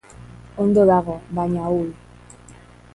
Ondo dago, baina ahul.